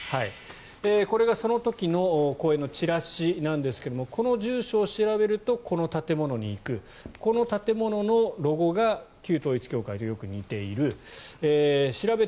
これがその時の講演のチラシなんですがこの住所を調べるとこの建物に行くこの建物のロゴが旧統一教会とよく似ている調べ